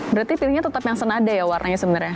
berarti pilihnya tetap yang senada ya warnanya sebenarnya